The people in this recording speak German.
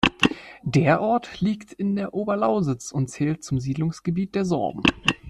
Der Ort liegt in der Oberlausitz und zählt zum Siedlungsgebiet der Sorben.